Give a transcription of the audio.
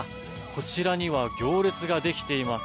こちらには行列ができています。